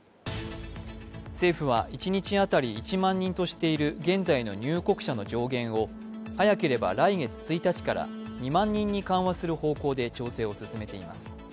政府は一日当たり１万人としている現在の入国者の上限を早ければ来月１日から２万人に緩和する方向で調整を進めています。